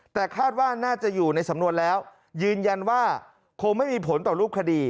แต่คาดว่าน่าจะอยู่ในสำนวนแล้วยืนยันว่าคงไม่มีผลต่อรูปคดี